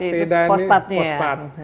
p dan ini pospat